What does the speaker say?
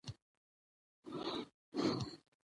ماشوم له پلار سره خپل پلان شریک کړ